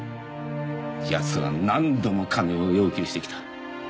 奴は何度も金を要求してきた。